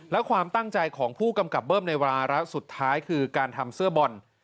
และความตั้งใจของผู้กำกับเบิ้มในวาระสุดท้ายคือการทำเสื้อบอล